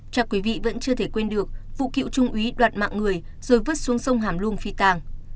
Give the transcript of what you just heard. chắc quý vị vẫn chưa thể quên được vụ cựu trung úy đoạt mạng người rồi vớt xuống sông hàm luông phi tàng